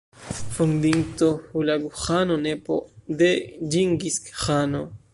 Fondinto Hulagu-Ĥano, nepo de Ĝingis-Ĥano.